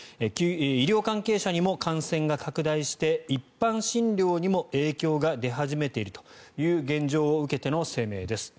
医療関係者にも感染が拡大して一般診療にも影響が出始めているという現状を受けての声明です。